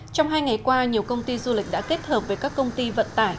trong hai ngày qua nhiều công ty du lịch đã kết hợp với các công ty vận tải